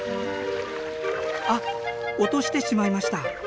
あっ落としてしまいました。